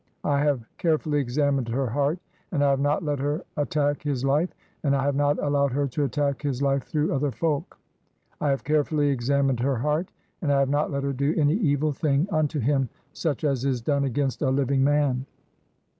I have care "fully examined her heart, and I have not let her at "tack his life, and I have not allowed her to attack "his life through other folk. I have carefully examin ed her heart, and I have not let her do any evil "thing unto him such as is done against a living "man.